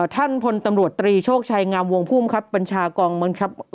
ท่านพลตำรวจตรีโชคชัยงามวงผู้มังคับบัญชากองบังคับ